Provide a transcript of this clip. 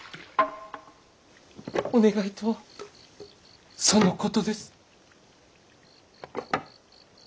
お願いとはそのことです。